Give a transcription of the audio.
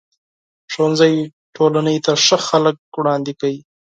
ښوونځی ټولنې ته ښه خلک وړاندې کوي.